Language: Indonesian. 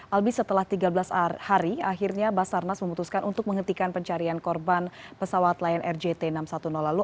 albi setelah tiga belas hari akhirnya basarnas memutuskan untuk menghentikan pencarian korban pesawat lion air jt enam ratus sepuluh lalu